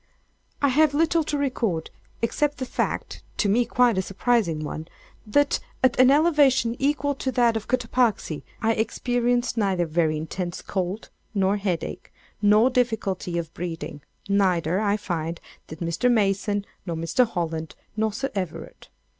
] I have little to record, except the fact (to me quite a surprising one) that, at an elevation equal to that of Cotopaxi, I experienced neither very intense cold, nor headache, nor difficulty of breathing; neither, I find, did Mr. Mason, nor Mr. Holland, nor Sir Everard.